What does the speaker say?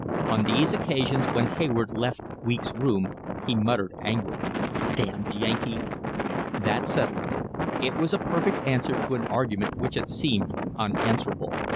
On these occasions when Hayward left Weeks' room he muttered angrily: "Damned Yankee!" That settled it. It was a perfect answer to an argument which had seemed unanswerable.